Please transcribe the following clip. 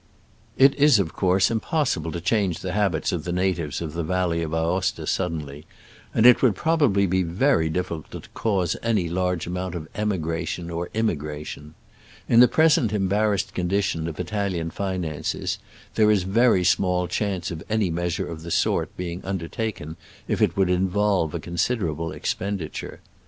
It is, of course, impossible to change the habits of the natives of the valley of Aosta suddenly, and it would proba bly be very difficult to cause any large amount of emigration or immigration. In the present embarrassed condition of Italian finances there is very small chance Digitized by Google 132 SCRAMBLES AMONGST THE ALPS IN i86o '69. of any measure of the sort being under taken if it would involve a considerable expenditure.